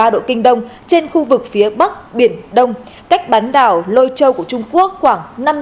một trăm một mươi năm ba độ kinh đông trên khu vực phía bắc biển đông cách bán đảo lôi châu của trung quốc khoảng năm trăm bốn mươi km